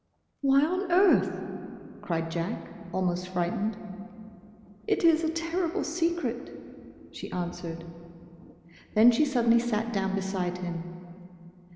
"Why on earth—?" cried Jack, almost frightened. "It is a terrible secret," she answered. Then she suddenly sat down beside him.